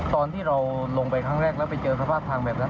ตอนที่เราลงไปครั้งแรกแล้วไปเจอสภาพทางแบบนั้น